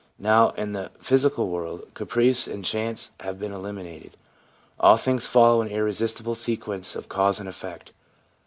Now, in the physical world, caprice and chance have been eliminated. All things follow an irresistible sequence of cause and effect.